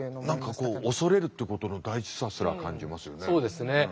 何かこう恐れるっていうことの大事さすら感じますよね。